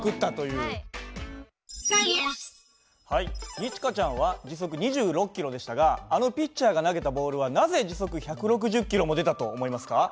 二千翔ちゃんは時速２６キロでしたがあのピッチャーが投げたボールはなぜ時速１６０キロも出たと思いますか？